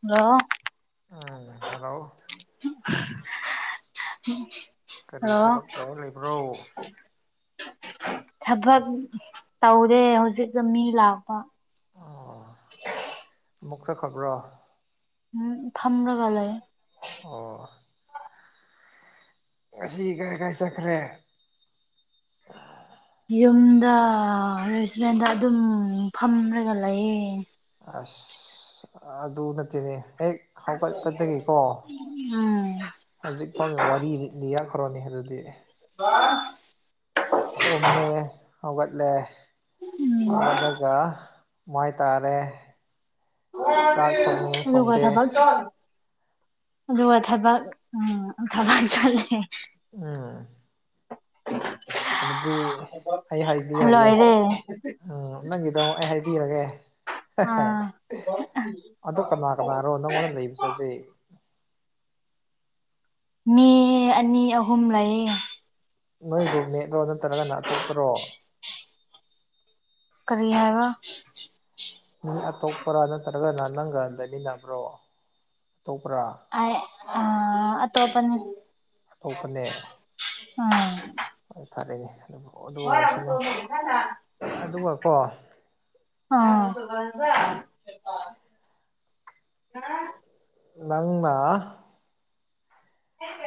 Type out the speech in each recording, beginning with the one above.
Hello um hello [unintelligible] ꯀꯔꯤ ꯊꯕꯛ ꯇꯧꯔ ꯂꯩꯕ꯭ꯔꯣ ꯊꯕꯛ ꯇꯧꯗꯦ ꯍꯧꯖꯤꯛꯇ ꯃꯤ ꯂꯥꯛꯄ ꯑꯣ ꯑꯃꯨꯛ ꯆꯠꯈꯔꯕꯔꯥ ꯎꯝ ꯐꯝꯔꯒ ꯂꯩ ꯑꯣ ꯉꯁꯤ ꯀꯥꯏ ꯀꯥꯏ ꯆꯠꯈ꯭ꯔꯦ ꯌꯨꯝꯗ ꯔꯦꯁꯇꯨꯔꯦꯟꯗ ꯑꯗꯨꯝ ꯐꯝꯔꯒ ꯂꯩꯌꯦ ꯑꯁ ꯑꯗꯨ ꯅꯠꯇꯦꯅꯦ ꯍꯦꯛ ꯍꯧꯒꯠꯄꯗꯒꯤꯀꯣ ꯎꯝ ꯍꯧꯖꯤꯛ ꯐꯥꯎꯒꯤ ꯋꯥꯔꯤ ꯂꯤꯔꯛꯈ꯭ꯔꯣꯅꯦ ꯑꯗꯨꯗꯤ [unintelligible] ꯇꯨꯝꯃꯦ ꯍꯧꯒꯠꯂꯦ ꯎꯝ ꯍꯧꯒꯠꯂꯒ ꯃꯥꯏ ꯇꯥꯔꯦ ꯆꯥꯛ ꯊꯣꯡꯉꯦ [inaudible] ꯑꯗꯨꯒ ꯊꯣꯡꯗꯦ ꯊꯕꯛ ꯑꯗꯨꯒ ꯊꯕꯛ ꯎꯝ ꯊꯕꯛ ꯆꯠꯂꯦ ꯎꯝ ꯑꯗꯨꯗꯤ ꯑꯩ ꯍꯥꯏꯕꯤꯔꯒꯦ ꯂꯣꯏꯔꯦ ꯎꯝ ꯅꯪꯒꯤꯗꯣ ꯑꯩ ꯍꯥꯏꯕꯤꯔꯒꯦ ꯑꯥ ꯑꯗꯣ ꯀꯅꯥ ꯀꯅꯥꯔꯣ ꯅꯪꯉꯣꯟꯗ ꯂꯩꯕꯁꯦ ꯍꯧꯖꯤꯛ ꯃꯤ ꯑꯅꯤ ꯑꯍꯨꯝ ꯂꯩꯌꯦ ꯅꯣꯏ ꯔꯨꯝꯃꯦꯠꯂꯣ ꯅꯠꯇ꯭ꯔꯒꯅ ꯑꯇꯣꯞꯄꯔꯣ ꯀꯔꯤ ꯍꯥꯏꯕ ꯃꯤ ꯑꯇꯣꯞꯄ꯭ꯔꯥ ꯅꯠꯇ꯭ꯔꯒꯅ ꯅꯪꯒ ꯂꯩꯃꯤꯟꯅꯕ꯭ꯔꯣ ꯑꯇꯣꯞꯄ꯭ꯔꯥ꯫ ꯑꯩ ꯑ ꯑꯇꯣꯞꯄꯅꯤ ꯑꯇꯣꯞꯄꯅꯦ ꯑ ꯍꯣꯏ ꯐꯔꯦꯅꯦ ꯑꯗꯨ ꯑꯗꯨ ꯑꯣꯏꯔꯁꯅꯨ ꯑꯗꯨꯒ ꯀꯣ ꯑꯥ [inaudible] ꯅꯪꯅꯥ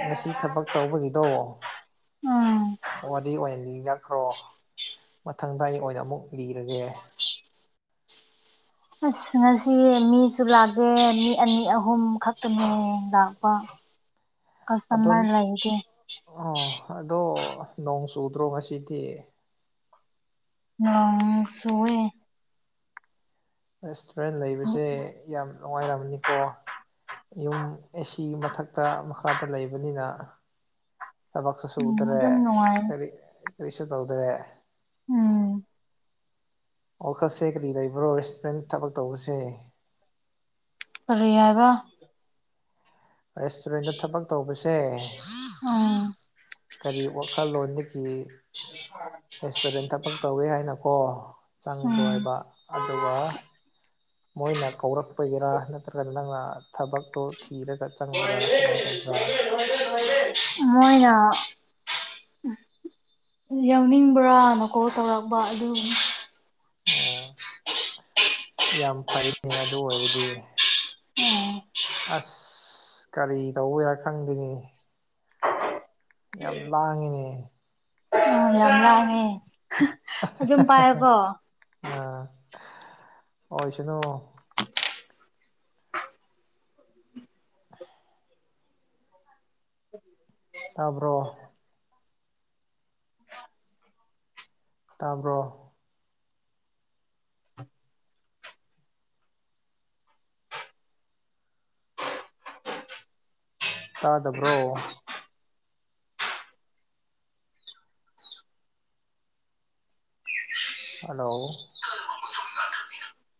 ꯉꯁꯤ ꯊꯕꯛ ꯇꯧꯕꯒꯤꯗꯣ ꯎꯝ ꯋꯥꯔꯤ ꯑꯣꯏꯅ ꯂꯤꯅꯈ꯭ꯔꯣ ꯃꯊꯪꯗ ꯑꯩ ꯑꯣꯏꯅ ꯑꯃꯨꯛ ꯂꯤꯔꯒꯦ꯫ ꯑꯁ ꯉꯁꯤ ꯃꯤꯁꯨ ꯂꯥꯛꯇꯦ ꯃꯤ ꯑꯅꯤ ꯑꯍꯨꯝ ꯈꯛꯇꯪꯅꯦ ꯂꯥꯛꯄ꯫ [unintelligible] ꯑꯗꯣꯟ ꯀꯁꯇꯃꯔ ꯂꯩꯇꯦ ꯑꯣ ꯑꯗꯣ ꯅꯣꯡ ꯆꯨꯗ꯭ꯔꯣ ꯉꯁꯤꯗꯤ꯫ ꯅꯣꯡ ꯆꯨꯋꯦ ꯔꯦꯁꯇꯨꯔꯦꯟ ꯂꯩꯕꯁꯦ ꯌꯥꯝ ꯅꯨꯡꯉꯥꯏꯔꯝꯅꯤꯀꯣ꯫ ꯌꯨꯝ ꯑꯦꯁꯤꯒꯤ ꯃꯊꯛꯇ ꯃꯈꯥꯗ ꯂꯩꯕꯅꯤꯅ ꯊꯕꯛꯁꯨ ꯎꯝ ꯁꯨꯗ꯭ꯔꯦ ꯑꯗꯨꯝ ꯅꯨꯡꯉꯥꯏ ꯀꯔꯤ ꯀꯔꯤꯁꯨ ꯇꯧꯗ꯭ꯔꯦ꯫ ꯎꯝ ꯋꯥꯈꯜꯁꯦ ꯀꯔꯤ ꯂꯩꯕ꯭ꯔꯣ ꯔꯦꯁꯇꯨꯔꯦꯟ ꯊꯕꯛ ꯇꯧꯕꯁꯦ꯫ ꯀꯔꯤ ꯍꯥꯏꯕ ꯔꯦꯁꯇꯨꯔꯦꯟꯗ ꯊꯕꯛ ꯇꯧꯕꯁꯦ ꯎꯝ ꯀꯔꯤ ꯋꯥꯈꯜꯂꯣꯟꯗꯒꯤ [unintelligible] ꯔꯦꯁꯇꯨꯔꯦꯟ ꯊꯕꯛ ꯇꯧꯋꯦ ꯍꯥꯏꯅꯀꯣ ꯆꯪꯕ꯭ꯔꯣ ꯎꯝ ꯍꯥꯏꯕ ꯑꯗꯨꯒ ꯃꯣꯏꯅ ꯀꯧꯔꯛꯄꯒꯤꯔꯥ ꯅꯠꯇ꯭ꯔꯒ ꯅꯪꯅ ꯊꯕꯛꯇꯣ ꯊꯤꯔꯒ ꯆꯪꯕ꯭ꯔꯥ ꯀꯃꯥꯏꯅ ꯇꯧꯕ꯭ꯔꯥ꯫ ꯂꯣꯏꯔꯦ ꯂꯣꯏꯔꯦ ꯃꯣꯏꯅ ꯌꯥꯎꯅꯤꯡꯕ꯭ꯔꯥꯅ ꯀꯣꯜ ꯇꯧꯔꯛꯄ ꯑꯗꯨꯒꯤꯅꯦ꯫ ꯑꯣ ꯌꯥꯝ ꯐꯩꯅꯦ ꯑꯗꯨ ꯑꯣꯏꯔꯗꯤ ꯎꯝ ꯑꯁ ꯀꯔꯤ ꯇꯧꯕꯌꯥ ꯈꯪꯗꯦꯅꯦ꯫ ꯌꯥꯝ ꯂꯥꯡꯉꯤꯅꯦ꯫ ꯎꯝ ꯌꯥꯝ ꯂꯥꯡꯉꯦ꯫ ꯑ ꯍ ꯑꯗꯨꯝ ꯍ ꯍ ꯄꯥꯏꯌꯣꯀꯣ ꯍ ꯑ ꯑꯣꯏꯁꯅꯨ ꯇꯥꯕ꯭ꯔꯣ ꯇꯥꯕ꯭ꯔꯣ ꯇꯥꯗꯕ꯭ꯔꯣ ꯍꯜꯂꯣ [inaudible]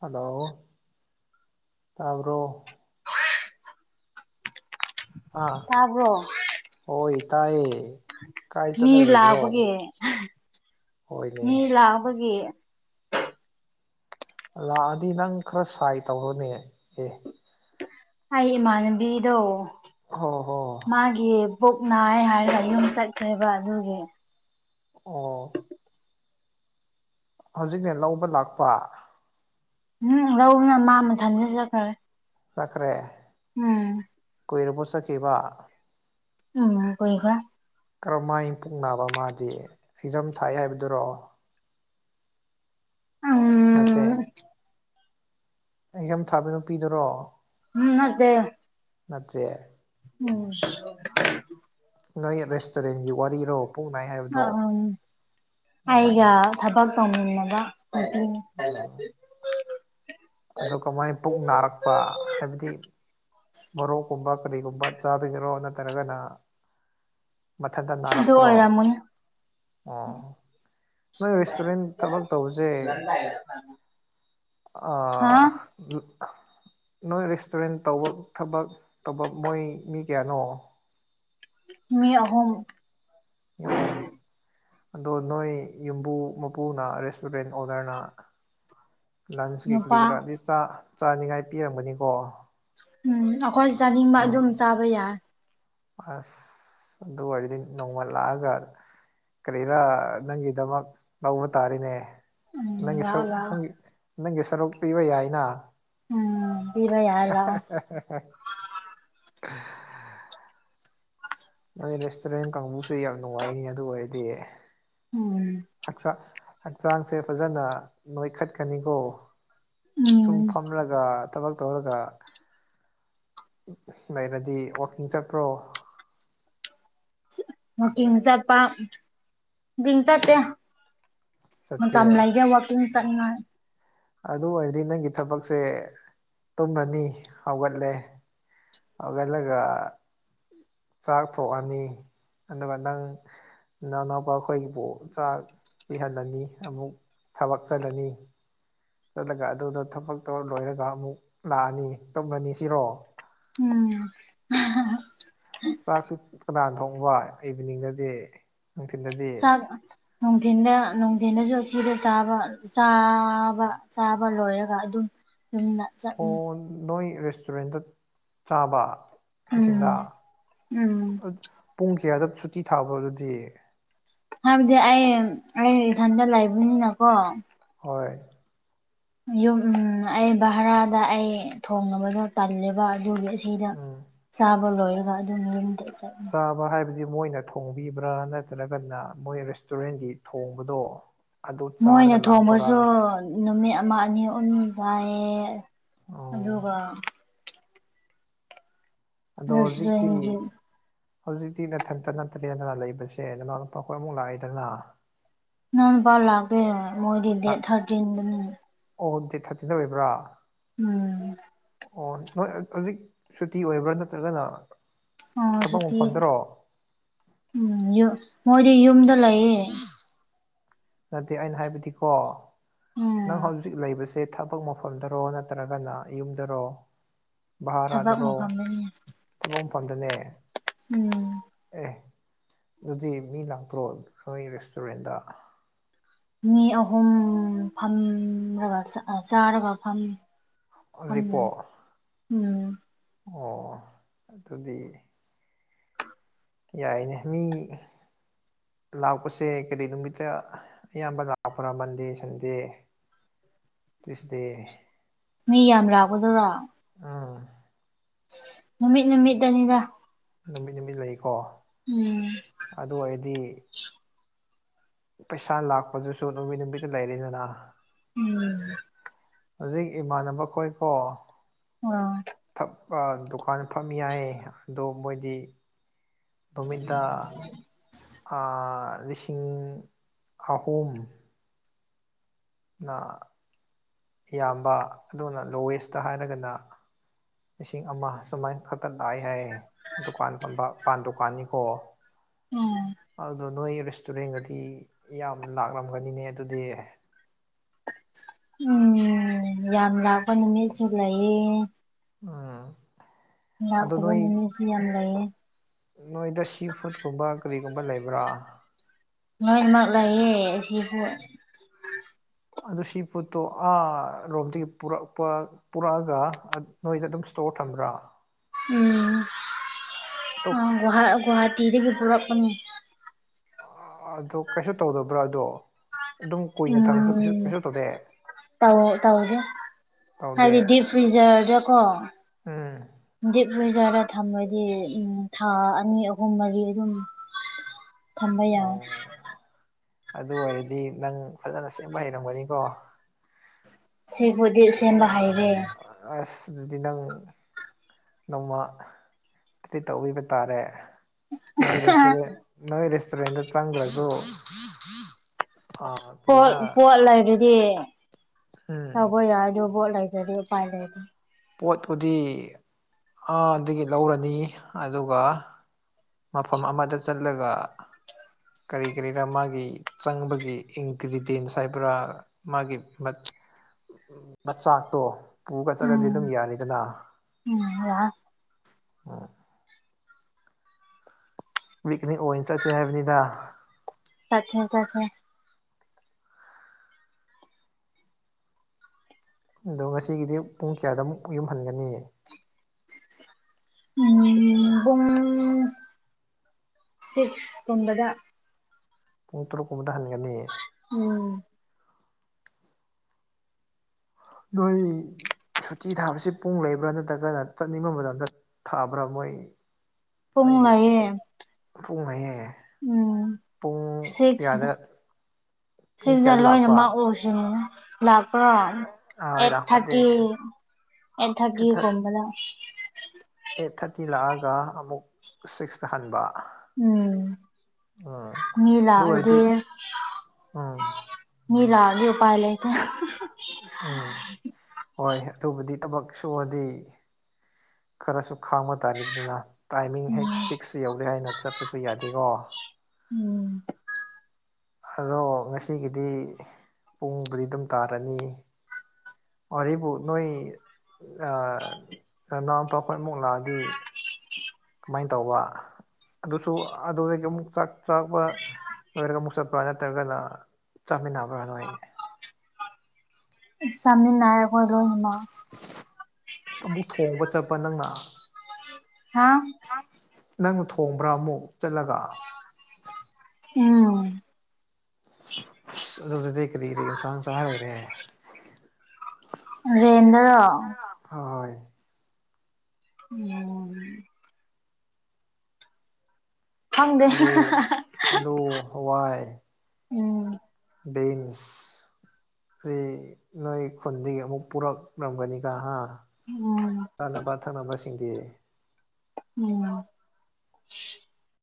ꯍꯜꯂꯣ ꯇꯥꯕ꯭ꯔꯣ ꯑꯥ ꯇꯥꯕ꯭ꯔꯣ ꯍꯣꯏ ꯇꯥꯌꯦ ꯃꯤ ꯂꯥꯛꯄꯒꯤ ꯍ ꯍꯣꯏꯅꯦ ꯃꯤ ꯂꯥꯛꯄꯒꯤ ꯂꯥꯛꯑꯗꯤ ꯅꯪ ꯈꯔ ꯁꯥꯏ ꯇꯧꯔꯣꯅꯦ ꯑꯦ ꯑꯩ ꯏꯃꯥꯅꯕꯤꯗꯣ ꯍꯣ ꯍꯣ ꯍꯣ ꯃꯥꯒꯤ ꯄꯨꯛ ꯅꯥꯏꯌꯦ ꯍꯥꯏꯔꯒ ꯌꯨꯝ ꯆꯠꯈ꯭ꯔꯦꯕ ꯑꯗꯨꯒꯤ ꯑꯣ ꯍꯧꯖꯤꯛꯅꯦ ꯂꯧꯕ ꯂꯥꯛꯄ ꯎꯝ ꯂꯧꯕꯅ ꯃꯥ ꯃꯊꯟꯗ ꯆꯠꯈ꯭ꯔꯃꯦ꯫ ꯆꯠꯈ꯭ꯔꯦ ꯎꯝ ꯀꯨꯏꯔꯕꯣ ꯆꯠꯈꯤꯕ ꯎꯝ ꯀꯒꯔ ꯀꯔꯝ ꯃꯥꯏꯄꯛ ꯅꯥꯕ ꯃꯥꯗꯤ ꯑꯦꯛꯖꯥꯝ ꯊꯥꯏ ꯍꯥꯏꯕꯗꯨꯔꯣ ꯅꯠꯇꯦ ꯎꯝ ꯑꯩ ꯌꯥꯝ ꯊꯥꯕ ꯅꯨꯄꯤꯗꯨꯔꯣ ꯎꯝ ꯅꯠꯇ ꯅꯠꯇꯦ ꯎ ꯅꯣꯏ ꯔꯦꯁꯇꯨꯔꯦꯟꯒꯤ ꯋꯥꯔꯤꯔꯣ ꯄꯛꯅꯥꯏ ꯍꯥꯏꯕꯗꯣ ꯎꯝ ꯎ ꯑꯩꯒ ꯊꯕꯛ ꯇꯧꯅꯤꯡꯂꯒ ꯑꯗꯨ ꯀꯃꯥꯏꯅ ꯄꯨꯛ ꯅꯥꯔꯛꯄ ꯍꯥꯏꯕꯗꯤ ꯃꯣꯔꯣꯛꯀꯨꯝꯕ ꯀꯔꯤꯒꯨꯝꯕ ꯆꯥꯕꯤꯈꯔꯣ ꯅꯠꯇ꯭ꯔꯒꯅ ꯃꯊꯟꯇ ꯑꯗꯨ ꯅꯥꯔꯛꯄ꯭ꯔꯣ ꯑꯣꯏꯔꯝꯃꯅꯤ ꯑꯣ ꯅꯣꯏ ꯔꯦꯁꯇꯨꯔꯦꯟ ꯊꯕꯛ ꯇꯧꯕꯁꯦ [inaudible] ꯍꯥ ꯑꯥ ꯅꯣꯏ ꯔꯦꯁꯇꯨꯔꯦꯟ ꯇꯧꯕ ꯊꯕꯛ ꯇꯧꯕ ꯃꯣꯏ ꯃꯤ ꯀꯌꯥꯅꯣ ꯃꯤ ꯑꯍꯨꯝ ꯑꯍꯨꯝ ꯑꯗꯣ ꯅꯣꯏ ꯌꯨꯝꯕꯨ ꯃꯄꯨꯅ ꯔꯦꯁꯇꯨꯔꯦꯟ ꯑꯣꯗꯔꯅ ꯂꯟꯁ ꯀꯩ ꯀꯔꯤ ꯅꯨꯄꯥ ꯀꯔꯥꯗꯤꯥ ꯆꯥꯅꯤꯉꯥꯏ ꯄꯤꯔꯝꯒꯅꯤꯀꯣ ꯎꯝ ꯑꯩꯈꯣꯏ ꯆꯥꯅꯤꯡꯕ ꯑꯗꯨꯝ ꯆꯥꯕ ꯌꯥꯏ ꯑꯁ ꯑꯗꯨ ꯑꯣꯏꯔꯗꯤ ꯅꯣꯡꯃ ꯂꯥꯛꯑꯒ ꯀꯔꯤꯔꯥ ꯅꯪꯒꯤꯗꯃꯛ ꯂꯧꯕ ꯇꯥꯔꯤꯅꯦ ꯎꯝ ꯅꯪꯒꯤ ꯁꯨ ꯂꯥꯛꯑꯣ ꯂꯥꯛꯑꯣ ꯅꯪꯒꯤ ꯅꯪꯒꯤ ꯁꯔꯨꯛ ꯄꯤꯕ ꯌꯥꯏꯅ [inaudible] ꯎꯝ ꯄꯤꯕ ꯌꯥꯏ ꯂꯥꯛꯑꯣ ꯅꯣꯏ ꯔꯦꯁꯇꯨꯔꯦꯟ ꯀꯥꯡꯕꯨꯁꯨꯦ ꯌꯥꯝ ꯅꯨꯡꯉꯥꯏꯅꯤ ꯑꯗꯨ ꯑꯣꯏꯔꯗꯤ ꯎꯝ ꯍꯛꯆꯥꯡ ꯍꯛꯆꯥꯡꯁꯦ ꯐꯖꯅ ꯅꯣꯏꯈꯠꯀꯅꯤꯀꯣ ꯎꯝ ꯁꯨꯝ ꯐꯝꯂꯒ ꯊꯕꯛ ꯇꯧꯔꯒ ꯂꯩꯩꯅꯗꯤ ꯋꯥꯛꯀꯤꯡ ꯆꯠꯄ꯭ꯔꯣ ꯀꯝꯆꯥ ꯄ ꯡꯆꯥ ꯇ ꯃ ꯀ ꯆꯠꯇꯦ ꯑꯃꯂ ꯏꯒ ꯋꯥꯀꯤꯡ ꯆꯅ ꯑꯗꯨ ꯑꯣꯏꯔꯗꯤ ꯅꯪꯒꯤ ꯊꯕꯛꯁꯦ ꯇꯨꯝꯔꯅꯤ ꯍꯧꯒꯠꯂꯦ ꯑꯒꯂꯒ ꯆꯥꯛ ꯊꯣꯛꯑꯃꯤ ꯑꯗꯨꯒ ꯅꯪ ꯅꯅꯧ ꯑꯧꯕ ꯑꯩꯈꯣꯏꯒꯤꯕꯨ ꯆꯥꯛ ꯄꯤꯍꯜꯂꯅꯤ ꯑꯃꯨꯛ ꯊꯕꯛꯆꯒꯅꯤ ꯆꯠꯂꯒ ꯑꯗꯨꯗꯣ ꯊꯕꯛꯇꯧ ꯂꯣꯏꯔꯒ ꯑꯃꯨꯛ ꯂꯥꯛꯑꯅꯤ ꯇꯧꯅꯅꯤ ꯁꯤꯔꯣ ꯎꯝ ꯆꯥꯛꯇꯤ ꯀꯅꯥꯅ ꯊꯣꯡꯕ ꯏꯚꯤꯅꯤꯡꯗꯗꯤ ꯎ ꯇꯤꯟꯗꯤ ꯆꯥꯛ ꯅꯨꯡꯊꯤꯟꯗ ꯅꯨꯡꯊꯤꯟꯗꯁꯨ ꯑꯁꯤꯗ ꯆꯥꯕ ꯆꯥꯕ ꯆꯥꯕ ꯂꯣꯏꯔꯒ ꯑꯗꯨꯝ ꯌꯅ ꯑꯣ ꯅꯣꯏ ꯔꯦꯁꯇꯨꯔꯦꯟꯗ ꯆꯥꯕ ꯅꯨꯡꯊꯤꯤꯟꯗ ꯎꯝ ꯎꯝ ꯄꯨꯡ ꯀꯌꯥꯗ ꯁꯨꯇꯤ ꯊꯥꯕ꯭ꯔꯣ ꯑꯗꯨꯗꯤ ꯍꯥꯏꯕꯗꯤ ꯑꯩ ꯑꯩ ꯏꯊꯟꯗ ꯂꯩꯕꯅꯤꯅꯀꯣ ꯍꯣꯏ ꯌꯨꯝ ꯑꯩ ꯚꯔꯥꯗ ꯑꯩ ꯊꯣꯡꯅꯕꯗꯣ ꯇꯜꯂꯦꯕ ꯑꯗꯨꯒꯤ ꯁꯤꯗ ꯎꯝ ꯆꯥꯕ ꯂꯣꯏꯔꯒ ꯑꯗꯨꯝ ꯌꯨꯝꯗ ꯆꯠꯂ ꯆꯥꯕ ꯍꯥꯏꯕꯗꯤ ꯃꯣꯏꯅ ꯊꯣꯡꯕꯤꯕ꯭ꯔꯥ ꯅꯠꯇ꯭ꯔꯒꯅ ꯃꯣꯏ ꯔꯦꯁꯇꯨꯔꯦꯟꯒꯤ ꯊꯣꯡꯕꯗꯣ ꯑꯗꯨ ꯃꯣꯏꯅ ꯆꯥꯔꯒ ꯂꯥꯛꯄꯔꯥ ꯊꯣꯡꯕꯁꯨ ꯅꯨꯃꯤꯠ ꯑꯃ ꯑꯅꯤ ꯑꯍꯨꯝ ꯆꯥꯏꯌꯦ ꯑꯣ ꯑꯗꯨꯒ ꯑꯗꯣ ꯍꯧꯖꯤꯛꯇꯤ ꯔꯦꯁꯇꯨꯔꯦꯟꯒꯤ ꯍꯧꯖꯤꯛꯇꯤ ꯅꯊꯟꯇ ꯅꯠꯇ꯭ꯔꯦꯗꯅ ꯂꯩꯕꯁꯦ ꯅꯅꯥꯎ ꯅꯨꯄꯥꯈꯣꯏ ꯑꯃꯨꯛ ꯂꯥꯛꯏꯦꯗꯅ ꯅꯎ ꯅꯨꯨꯄꯥ ꯂꯥꯛꯇꯣꯏ ꯃꯣꯏꯗꯤ ꯗꯦꯠ ꯊꯥꯔꯇꯤꯟꯗꯨꯅꯤ ꯑꯣ ꯗꯦꯠ ꯊꯥꯔꯇꯤꯟꯗ ꯑꯣꯏꯕ꯭ꯔꯥ ꯎꯝ ꯑꯣ ꯅꯣꯏ ꯍꯧꯖꯤꯛ ꯁꯨꯇꯤ ꯑꯣꯏꯕ꯭ꯔꯥ ꯅꯠꯇ꯭ꯔꯒꯅ ꯑꯣ ꯊꯕꯛ ꯁꯨꯇꯤ ꯃꯐꯝꯗꯔꯣ ꯎꯝ ꯃꯣꯏꯗꯤ ꯌꯨꯝꯗ ꯂꯩꯌꯦ ꯅꯠꯇꯦ ꯑꯩꯅ ꯍꯥꯏꯕꯗꯤꯀꯣ ꯎꯝ ꯅꯪ ꯍꯧꯖꯤꯛ ꯂꯩꯕꯁꯤ ꯁꯦ ꯊꯕꯛ ꯃꯐꯝꯗꯔꯣ ꯅꯠꯇ꯭ꯔꯒꯅ ꯌꯨꯝꯗꯔꯣ ꯊꯕꯛ ꯚꯥꯔꯥꯗꯔꯣ ꯃꯐꯝꯗꯅꯤ ꯊꯕꯛ ꯑꯃꯐꯝꯗꯅꯦ ꯎꯝ ꯑꯦ ꯑꯗꯨꯗꯤ ꯃꯤ ꯂꯥꯡꯄ꯭ꯔꯣ ꯅꯣꯏ ꯔꯦꯁꯇꯨꯔꯦꯟꯗ ꯃꯤ ꯑꯍꯨꯝ ꯐꯝꯒ ꯆꯥꯒ ꯐꯝ ꯍ ꯍꯧꯖꯤꯛꯄꯣ ꯎꯝ ꯑꯣ ꯑꯗꯨꯗꯤ ꯌꯥꯏꯅꯦ ꯃꯤ ꯂꯥꯛꯄꯁꯦ ꯀꯔꯤ ꯅꯨꯃꯤꯠꯇ ꯑꯌꯥꯝꯕ ꯂꯥꯛꯄ꯭ꯔꯥ ꯃꯟꯗꯦ ꯁꯟꯗꯦ ꯇ꯭ꯨꯋꯁꯗꯦ ꯃꯤ ꯌꯥꯝ ꯂꯥꯛꯀꯗꯣꯏꯔꯥ ꯑꯥ ꯅꯨꯃꯤꯠ ꯅꯨꯃꯤꯠꯗꯅꯤꯗ ꯅꯨꯃꯤꯠ ꯅꯨꯃꯤꯠ ꯂꯩꯀꯣ ꯎꯝ ꯑꯗꯨ ꯑꯣꯏꯔꯗꯤ ꯄꯩꯁꯥ ꯂꯥꯛꯄꯗꯨꯁꯨ ꯅꯨꯄꯤꯠ ꯅꯨꯃꯤꯠꯇ ꯂꯩꯔꯤꯗꯅ ꯎꯝ ꯍꯧꯖꯤꯛ ꯏꯃꯥꯟꯅꯕ ꯈꯣꯏꯀꯣ ꯑꯣ ꯊꯛ ꯗꯨꯀꯥꯟ ꯐꯝ ꯌꯥꯏꯌꯦ ꯑꯗꯣ ꯃꯣꯏꯗꯤ ꯅꯨꯃꯤꯠꯇ ꯂꯤꯁꯤꯡ ꯑꯍꯨꯝ ꯅ ꯌꯥꯝꯕ ꯑꯗꯨꯅ ꯂꯣꯋꯦꯁꯇ ꯍꯥꯏꯔꯒꯅ ꯂꯤꯁꯤꯡ ꯑꯃ ꯁꯨꯃꯥꯏꯅ ꯈꯛꯇ ꯂꯥꯛꯑ ꯍꯥꯏꯌꯦ ꯗꯨꯀꯥꯟ ꯄꯥꯟ ꯗꯨꯀꯥꯟꯅꯤꯀꯣ ꯎꯝ ꯑꯗꯨ ꯅꯣꯏ ꯔꯦꯁꯇꯨꯔꯦꯟꯒꯗꯤ ꯌꯥꯝ ꯂꯥꯛꯂꯝꯒꯅꯤꯅꯦ ꯑꯗꯨꯗꯤ ꯎꯝ ꯌꯥꯝ ꯂꯥꯛꯄ ꯅꯨꯃꯤꯠꯁꯨ ꯂꯩꯌꯦ ꯎꯝ ꯑꯗꯣ ꯂꯥꯛꯇꯕ ꯅꯣꯏ ꯅꯨꯃꯤꯠꯁꯤ ꯌꯥꯝ ꯂꯩꯌꯦ ꯅꯣꯏꯗ ꯁꯤ ꯐꯨꯗꯀꯨꯝꯕ ꯀꯔꯤꯒꯨꯝꯕ ꯂꯩꯕ꯭ꯔꯥ ꯃꯥꯏ ꯃꯥ ꯂꯩꯌꯦ ꯑꯁꯤ ꯍꯣꯏ ꯑꯗꯨ ꯁꯤ ꯄꯣꯠꯇꯣ ꯑꯥ ꯔꯣꯝꯗꯒꯤ ꯄꯨꯔꯛꯄ ꯄꯨꯔꯛꯑꯒ ꯅꯣꯏꯗ ꯑꯗꯨꯝ ꯏꯁꯇꯣꯔ ꯊꯝꯕ꯭ꯔꯥ ꯑꯗꯣ ꯎꯝꯒꯨꯍ ꯒꯨꯍꯥꯇꯤꯗꯒꯤ ꯄꯨꯔꯛꯄꯅꯤ ꯑꯗꯣ ꯀꯩꯁꯨ ꯇꯧꯗꯕ꯭ꯔꯥ ꯑꯗꯣ ꯑꯗꯨꯝ ꯀꯨꯏꯅ ꯊꯝꯃꯁꯨ ꯀꯩꯁꯨ ꯎꯝ ꯀꯩꯁꯨ ꯇꯧꯗꯦ ꯇ ꯇꯥꯎꯖ ꯇꯧꯗꯦ ꯍꯥꯏꯕꯗꯤ ꯗꯤꯞ ꯐ꯭ꯔꯤꯖꯔꯗ ꯀꯣ ꯎꯝ ꯗꯤꯞ ꯋꯤꯖꯔ ꯊꯝꯃꯗꯤ ꯎꯝ ꯊꯥ ꯑꯅꯤ ꯑꯍꯨꯝ ꯃꯔꯤ ꯑꯗꯨꯝ [inaudible] ꯊꯝꯕ ꯌꯥ ꯑꯣ ꯑꯗꯨ ꯑꯣꯏꯔꯗꯤ ꯅꯪ ꯐꯖꯅ ꯁꯦꯝꯕ ꯍꯩꯔꯝꯒꯅꯤꯀꯣ ꯁꯤꯕꯨꯗꯤ ꯁꯦꯝꯕ ꯍꯩꯔꯦ ꯑꯁ ꯑꯗꯨꯗꯤ ꯅꯪ ꯅꯣꯡꯃ ꯇ꯭ꯔꯤꯠ ꯇꯧꯕꯤꯕ ꯇꯥꯔꯦ ꯅꯣꯏ ꯔꯦꯁꯇꯨꯔꯦꯟ ꯅꯣꯏ ꯔꯦꯁꯇꯨꯔꯦꯟꯗ ꯆꯪꯗ꯭ꯔꯁꯨ ꯄꯣꯠ ꯀꯔꯤꯔꯥ ꯄꯣꯠ ꯂꯩꯔꯗꯤ ꯎꯝ ꯇꯧꯕ ꯌꯥꯏ ꯑꯗꯨ ꯄꯣꯠ ꯂꯩꯇ꯭ꯔꯗꯤ ꯎꯄꯥꯏ ꯂꯩꯗꯦ ꯄꯣꯠꯄꯨꯗꯤ ꯑꯥꯗꯒꯤ ꯂꯧꯔꯅꯤ ꯑꯗꯨꯒ ꯃꯐꯝ ꯑꯃꯗ ꯆꯠꯂꯒ ꯀꯔꯤ ꯀꯔꯤꯔꯥ ꯃꯥꯒꯤ ꯆꯪꯕꯒꯤ ꯏꯟꯒ꯭ꯔꯤꯗꯦꯟꯁ ꯍꯥꯏꯕ꯭ꯔꯥ ꯃꯥꯒꯤ ꯃꯆꯥꯛꯇꯣ ꯄꯨꯒ ꯆꯠꯂꯗꯤ ꯑꯗꯨꯝ ꯎꯝ ꯌꯥꯅꯤꯗꯅ ꯎꯝ ꯌꯥꯏ ꯎꯝ ꯋꯤꯛꯅꯤ ꯑꯣꯏꯅ ꯆꯠꯁꯦ ꯍꯥꯏꯕꯅꯤꯗ ꯆꯠꯁꯦ ꯆꯁꯦ ꯑꯗꯣ ꯉꯁꯤꯒꯤꯗꯤ ꯄꯨꯡ ꯀꯌꯥꯗ ꯑꯃꯨꯛ ꯌꯨꯝ ꯍꯟꯒꯅꯤ ꯎꯝ ꯄꯨꯡ ꯁꯤꯛꯁ ꯀꯨꯝꯕꯗ ꯄꯨꯡ ꯇꯔꯨꯛꯀꯨꯝꯕꯗ ꯍꯟꯒꯅꯤ ꯎꯝ ꯅꯣꯏ ꯁꯨꯇꯤ ꯊꯥꯕꯁꯤ ꯄꯨꯡ ꯂꯩꯕ꯭ꯔꯥ ꯅꯠꯇ꯭ꯔꯒꯅ ꯆꯠꯅꯤꯡꯕ ꯃꯇꯝꯗ ꯊꯥꯕ꯭ꯔꯥ ꯃꯣꯏ ꯄꯨꯡ ꯅꯪꯒꯤ ꯂꯩꯌꯦ ꯄꯨꯡ ꯑꯍꯦ ꯎꯝ ꯁꯤꯛꯁꯗ ꯄꯨꯡ ꯁꯤꯛꯁꯗ ꯀꯌꯥꯗ ꯂꯥꯛꯄ ꯂꯣꯏꯅꯃꯛ ꯎ [unintelligible] ꯂꯥꯛꯄ꯭ꯔꯣ ꯍꯣꯏ ꯑꯩꯠ ꯂꯥꯛꯄꯗꯤ ꯊꯥꯔꯇꯤ ꯑꯩꯠ ꯊꯥꯔꯇꯤꯒꯨꯝꯕꯗ ꯑꯩꯠ ꯊꯥꯔꯇꯤ ꯂꯥꯛꯑꯒ ꯑꯃꯨꯛ ꯁꯤꯛꯁꯇ ꯍꯟꯕ ꯎꯝ ꯎꯝ ꯃꯤ ꯑꯗꯨ ꯂꯥꯛꯑꯗꯤ ꯑꯣꯏꯗꯤ ꯎꯝ ꯃꯤ ꯂꯥꯛꯑꯗꯤ ꯎꯄꯥꯏ ꯂꯩꯇꯦ ꯎꯝ ꯍꯣꯏ ꯑꯗꯨꯕꯨꯗꯤ ꯊꯕꯛ ꯁꯨꯕꯗꯤ ꯈꯔꯁꯨ ꯈꯥꯡꯕ ꯇꯥꯔꯦꯗꯅ ꯇꯥꯏꯃꯤꯡ ꯍꯦꯛ ꯎꯝ ꯐꯤꯛꯁ ꯌꯧꯔꯦ ꯍꯥꯏꯅ ꯆꯠꯄꯁꯨ ꯌꯥꯗꯦꯀꯣ ꯎꯝ ꯑꯗꯣ ꯉꯁꯤꯒꯤꯗꯤ ꯄꯨꯡꯕꯨꯗꯤ ꯑꯗꯨꯝ ꯇꯥꯔꯅꯤ ꯋꯥꯔꯤꯕꯨ ꯅꯣꯏ ꯑ ꯅꯅꯥꯎꯄꯥ ꯈꯣꯏꯃꯨꯛ ꯂꯥꯛꯑꯗꯤ ꯀꯃꯥꯏꯅ ꯇꯧꯕ ꯑꯗꯨꯁꯨ ꯑꯗꯨꯗꯒꯤ ꯑꯃꯨꯛ ꯆꯥꯛ ꯆꯥꯕ ꯂꯣꯏꯔꯒ ꯑꯃꯨꯛ ꯆꯠꯄ꯭ꯔꯥ ꯅꯠꯇ꯭ꯔꯒꯅ ꯆꯥꯃꯤꯟꯅꯕ꯭ꯔꯥ ꯅꯣꯏ ꯆꯥꯃꯤꯟꯅꯌꯦ ꯈꯣꯏ ꯂꯣꯏꯅꯃꯛ ꯑꯃꯨꯛ ꯊꯣꯡꯕ ꯆꯠꯄ ꯅꯪꯅ ꯍꯥꯥ ꯅꯪꯅ ꯊꯣꯡꯕ꯭ꯔꯥ ꯑꯃꯨꯛ ꯆꯠꯂꯒ ꯎꯝ ꯑꯗꯨꯗꯗꯤ ꯀꯔꯤꯀꯔꯤ ꯏꯟꯁꯥꯟ ꯆꯥꯍꯩꯔꯦ ꯔꯦꯟꯗꯔꯣ ꯍꯣꯏ ꯎꯝ ꯈꯪꯗꯦ ꯑꯂꯨ ꯑꯂꯨ [unintelligible] ꯍꯋꯥꯏ ꯎꯝ ꯕꯤꯟꯁ ꯁꯤ ꯅꯣꯏ ꯈꯨꯟꯗꯒꯤ ꯑꯃꯨꯛ ꯄꯨꯔꯛꯂꯝꯒꯅꯤꯒ ꯍꯥ ꯎꯝ ꯆꯥꯅꯕ ꯊꯛꯅꯕꯁꯤꯡꯗꯤ ꯎꯝ